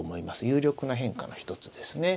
有力な変化の一つですね。